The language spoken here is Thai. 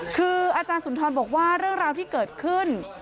คืออาจารย์สุนทรบอกว่าเรื่องราวที่เกิดขึ้น